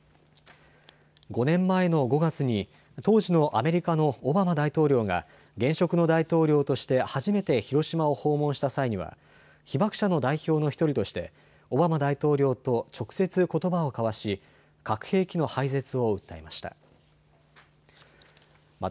５年前の５月に当時のアメリカのオバマ大統領が現職の大統領として初めて広島を訪問した際には被爆者の代表の１人としてオバマ大統領と直接ことばを交わし核兵器の廃絶を訴えました。